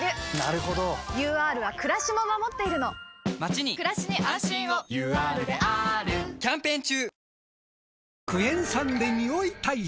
ＵＲはくらしも守っているのまちにくらしに安心をＵＲであーるキャンペーン中！